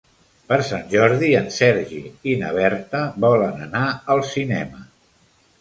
Per Sant Jordi en Sergi i na Berta volen anar al cinema.